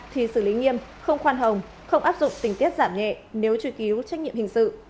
thì xử lý nghiêm không khoan hồng không áp dụng tình tiết giảm nhẹ nếu truy cứu trách nhiệm hình sự